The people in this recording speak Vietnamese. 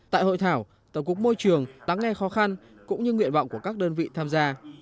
tại hội thảo tổng cục môi trường lắng nghe khó khăn cũng như nguyện vọng của các đơn vị tham gia